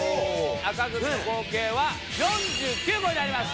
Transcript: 紅組の合計は４９個になります。